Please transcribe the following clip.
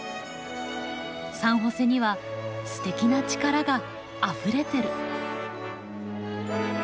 サンホセにはすてきな力があふれてる。